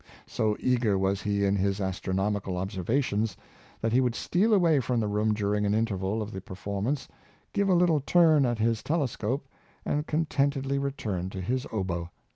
So eager was he in his astronomical observations, that he would steal away from the room during an interval of the performance, give a little turn at his telescope, and con tentedly return to his oboe.